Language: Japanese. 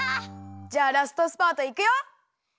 じゃあラストスパートいくよ！